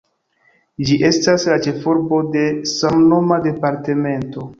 Ĝi estas la ĉefurbo de samnoma departemento.